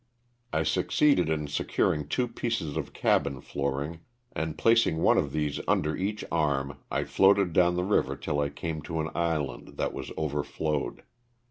I succeeded in securing two pieces of cabin flooring, and placing one of these under each arm I floated down the river till I came to an island that was overflowed.